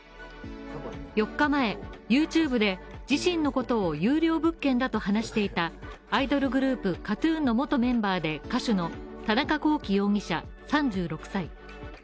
４日前、ＹｏｕＴｕｂｅで自身のことを優良物件だと話していたアイドルグループ、ＫＡＴ−ＴＵＮの元メンバーで歌手の、田中聖容疑者、３６歳。